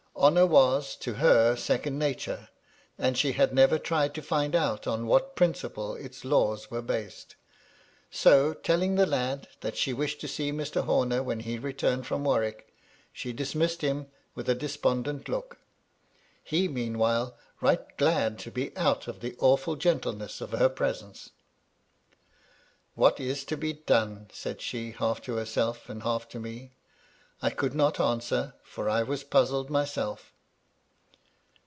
Honour was, to her, second nature, and she had never tried to find out on what principle its laws were based. So, telling the lad that she wished to see Mr. Homer when he returned from Warwick, she dismissed him with a despondent 92 MY LADY LUDLOW. look ; he, meanwhile, right glad to be out of the awfiil gentleness of her presence. " What is to be done ?" said she, half to herself and half to me. I could not answer, for I was puzzled myself.